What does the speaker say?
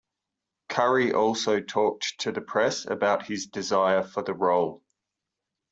Curry also talked to the press about his desire for the role.